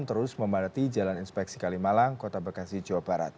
terus memadati jalan inspeksi kalimalang kota bekasi jawa barat